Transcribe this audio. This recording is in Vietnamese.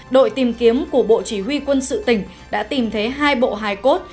đội tìm kiếm của bộ chỉ huy quân sự tỉnh đã tìm thấy hai bộ hài cốt